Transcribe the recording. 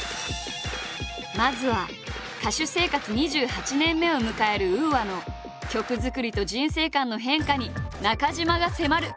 まずは歌手生活２８年目を迎えるＵＡの曲作りと人生観の変化に中島が迫る！